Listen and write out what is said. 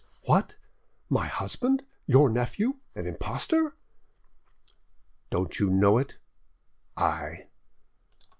"What! my husband, your nephew, an impostor!" "Don't you know it?" "I!!"